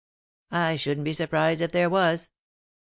" I shouldn't be surprised if there was."